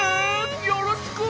よろしく！